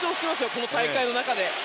この大会の中で。